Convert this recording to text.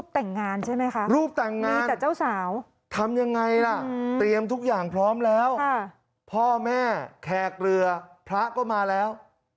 เตรียมทุกอย่างพร้อมแล้วพ่อแม่แขกเรือพระก็มาแล้ว